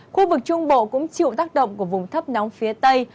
khu vực trung bộ cũng chịu tác động của vùng thấp nóng phía tây